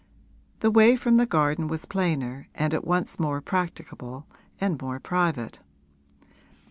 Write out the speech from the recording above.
The way from the garden was plainer and at once more practicable and more private.